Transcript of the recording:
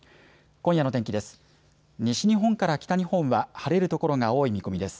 今夜の天気です。